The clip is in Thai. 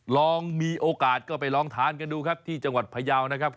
ลองมีโอกาสก็ไปลองทานกันดูครับที่จังหวัดพยาวนะครับ